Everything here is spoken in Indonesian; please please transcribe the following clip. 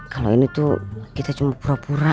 kalau ini tuh kita cuma pura pura